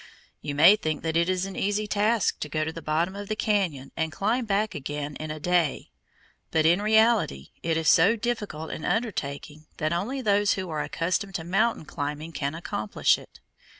You may think that it is an easy task to go to the bottom of the cañon and climb back again in a day, but in reality it is so difficult an undertaking that only those who are accustomed to mountain climbing can accomplish it.